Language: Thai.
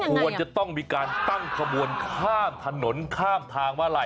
ควรจะต้องมีการตั้งขบวนข้ามถนนข้ามทางมาลัย